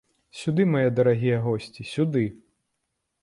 Сюды, мае дарагія госці, сюды.